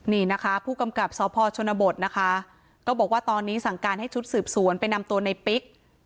นี่นะคะผู้กำกับสพชนบทนะคะก็บอกว่าตอนนี้สั่งการให้ชุดสืบสวนไปนำตัวในปิ๊ก